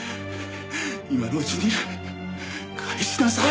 今のうちに返しなさい！